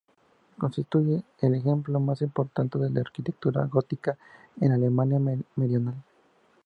Constituye el ejemplo más importante de la arquitectura gótica en Alemania Meridional.